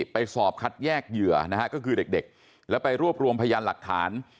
ไปสอบคัดแยกเหยื่อนะฮะก็คือเด็กแล้วไปรวบรวมพยานหลักฐาน